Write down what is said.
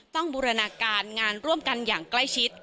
บูรณาการงานร่วมกันอย่างใกล้ชิด